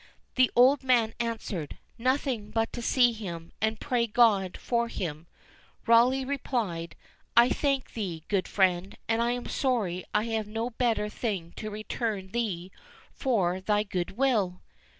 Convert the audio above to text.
The old man answered "Nothing but to see him, and to pray God for him." Rawleigh replied "I thank thee, good friend, and I am sorry I have no better thing to return thee for thy good will."